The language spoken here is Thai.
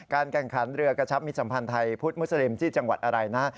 แข่งขันเรือกระชับมิสัมพันธ์ไทยพุทธมุสลิมที่จังหวัดอะไรนะ